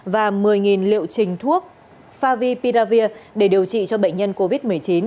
và một mươi liệu trình thuốc favipiravir để điều trị cho bệnh nhân covid một mươi chín